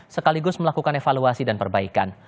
sekaligus melakukan evaluasi dan perbaikan